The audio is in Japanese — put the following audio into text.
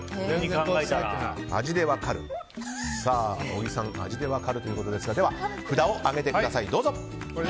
小木さん味で分かるということですがでは、札を上げてください。